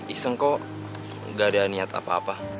iseng kok gak ada niat apa apa